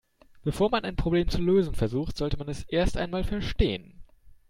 Bevor man ein Problem zu lösen versucht, sollte man es erst einmal verstehen.